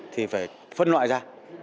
thì phải phân loại ra